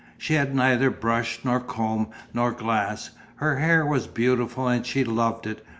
She had neither brush nor comb nor glass. Her hair was beautiful and she loved it.